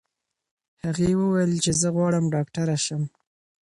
هغې وویل چې زه غواړم ډاکټره شم.